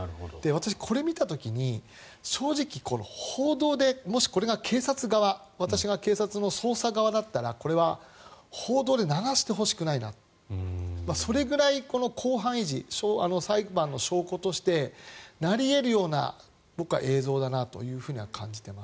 私、これを見た時に正直、報道でもしこれが警察側私が警察の捜査側だったらこれは報道で流してほしくないなそれぐらい公判維持裁判の証拠となり得るような映像だなというふうには感じています。